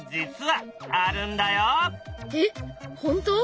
えっほんと？